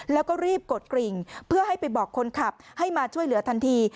แล้วก็รีบกดกริ่งเพื่อให้ไปบอกคนขับให้มาช่วยเหลือทันที